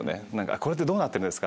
これってどうなってるんですか？